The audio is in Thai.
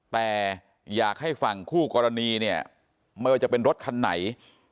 แต่อยากให้ฝั่งคู่กรณีเนี่ยไม่ว่าจะเป็นรถคันไหน